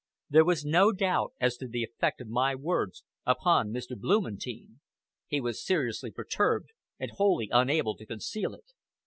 There was no doubt as to the effect of my words upon Mr. Blumentein. He was seriously perturbed, and wholly unable to conceal it.